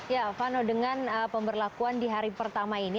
ya vano dengan pemberlakuan di hari pertama ini